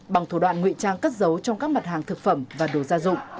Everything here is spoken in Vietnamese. bằng thủ đoạn nguyện trang cất dấu trong các mặt hàng thực phẩm và đồ gia dụng